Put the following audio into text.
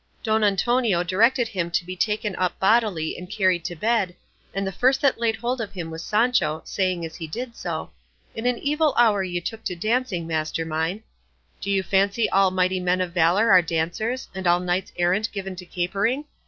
Don Antonio directed him to be taken up bodily and carried to bed, and the first that laid hold of him was Sancho, saying as he did so, "In an evil hour you took to dancing, master mine; do you fancy all mighty men of valour are dancers, and all knights errant given to capering?